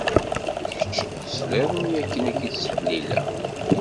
Kečč tesliḍ-d mi akken i k-ttḥellileɣ.